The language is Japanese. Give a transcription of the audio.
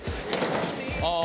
ああ。